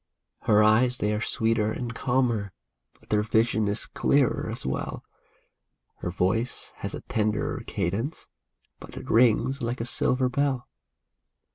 Her eyes they are sweeter and calmer, but their vision is clearer as well ; Her voice has a tenderer cadence, but it rings like a silver bell.